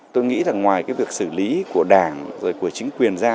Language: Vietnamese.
tôi nghĩ là ngoài cái việc xử lý của đảng rồi của chính quyền ra